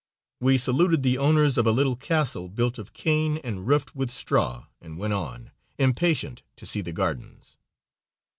We saluted the owners of a little castle built of cane and roofed with straw and went on, impatient to see the gardens.